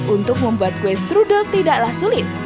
untuk membuat kue strudel tidaklah sulit